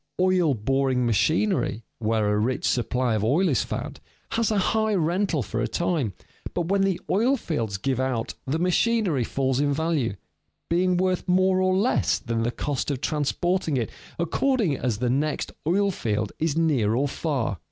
Oil boring machinery where a rich supply of oil is found has a high rental for a time, but when the oil fields give out the machinery falls in value, being worth more or less than the cost of transporting it according as the next oil field is near or far.